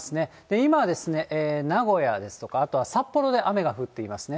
今ですね、名古屋ですとか、あと、札幌で雨が降っていますね。